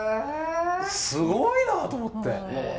すごいなと思って。